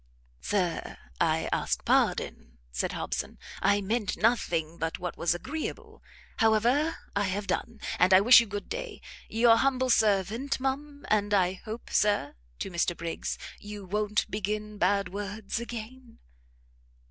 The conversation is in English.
"Sir, I ask pardon," said Hobson, "I meant nothing but what was agreeable; however, I have done, and I wish you good day. Your humble servant, ma'am, and I hope, Sir," to Mr Briggs, "you won't begin bad words again?"